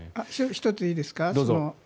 １つ、いいですか。